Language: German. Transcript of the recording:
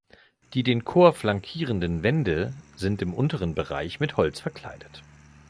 Die den Chor flankierenden Wände sind im unteren Bereich mit Holz verkleidet.